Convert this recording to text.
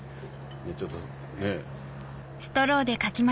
ちょっとね。